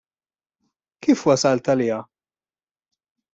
Kif wasalt għaliha?